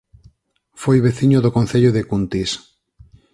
Foi veciño do Concello de Cuntis